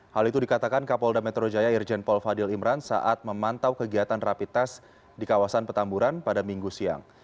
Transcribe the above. hal itu dikatakan kapolda metro jaya irjen paul fadil imran saat memantau kegiatan rapi tes di kawasan petamburan pada minggu siang